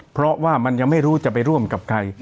เพราะว่ามันยังไม่รู้จะไปร่วมกับใคร